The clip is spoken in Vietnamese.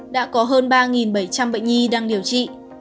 đã có hơn ba bảy trăm linh bệnh nhi đang điều trị